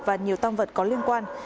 và nhiều tăng vật có liên quan